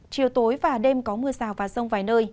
chiều tối và đêm có mưa rào và rông vài nơi